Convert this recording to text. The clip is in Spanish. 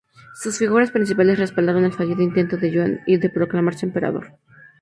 Sus figuras principales respaldaron el fallido intento de Yuan de proclamarse emperador.